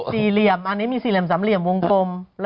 สี่เหลี่ยมอันนี้มีสี่เหลี่ยสามเหลี่ยมวงกลม